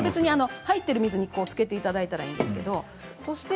入っている水につけていただいてもいいです。